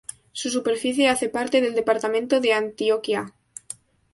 Su superficie hace parte del departamento de Antioquia.